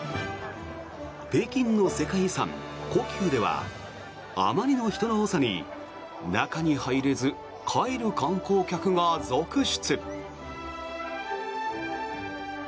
北京の世界遺産・故宮ではあまりの人の多さに中に入れず、帰る観光客が続出。